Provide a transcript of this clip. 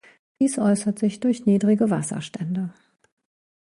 Dies äußert sich durch niedrige Wasserstände.